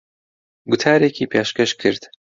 گوتارێکی پێشکەش کرد.